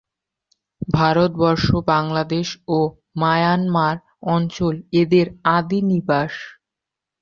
ভারতবর্ষ, বাংলাদেশ ও মায়ানমার অঞ্চল এদের আদি নিবাস।